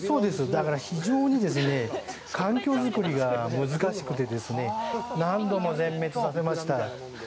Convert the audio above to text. だから、非常に環境作りが難しくて、何度も全滅させました。